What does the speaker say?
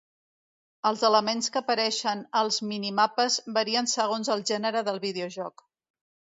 Els elements que apareixen als mini-mapes varien segons el gènere del videojoc.